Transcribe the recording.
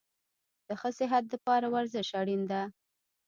د ښه صحت دپاره ورزش اړین ده